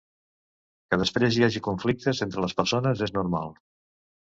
Que després hi hagi conflictes entre les persones és normal.